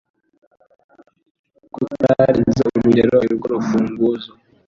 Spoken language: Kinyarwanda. kutarenza urugero ni rwo rufunguzo